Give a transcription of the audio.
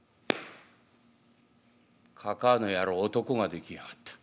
「かかあの野郎男ができやがった。